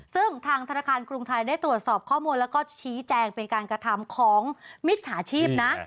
ซึ่งทางธนาคารกรุงไทยได้ตรวจสอบข้อมูลแล้วก็ชี้แจงเป็นการกระทำของมิจฉาชีพนะ